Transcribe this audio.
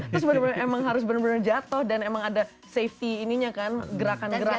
terus bener bener emang harus benar benar jatuh dan emang ada safety ininya kan gerakan gerakan